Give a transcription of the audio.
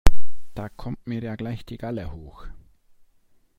Da kommt mir ja gleich die Galle hoch.